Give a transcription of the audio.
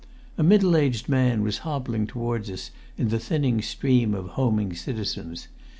A middle aged man was hobbling towards us in the thinning stream of homing citizens.